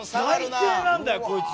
最低なんだよこいつ。